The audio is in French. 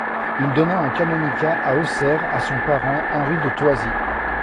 Il donna un canonicat à Auxerre à son parent, Henri de Thoisy.